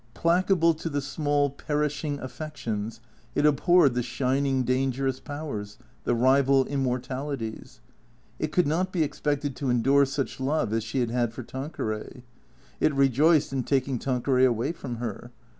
Pla cable to the small, perishing affections, it abhorred the shining, dangerous powers, the rival immortalities. It could not be ex pected to endure such love as she had had for Tanqueray. It re joiced in taking Tanqueray away from her.